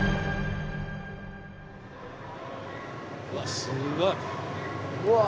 うわすごい。